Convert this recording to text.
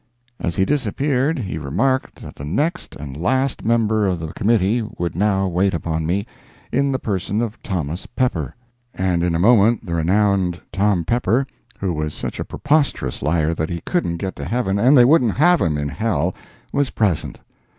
As he disappeared he remarked that the next and last member of the committee would now wait upon me, in the person of Thomas Pepper. And in a moment the renowned Tom Pepper, who was such a preposterous liar that he couldn't get to heaven and they wouldn't have him in hell, was present!